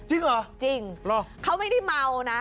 จริงเหรอจริงเขาไม่ได้เมานะ